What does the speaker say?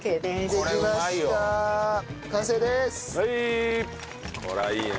これはいいね。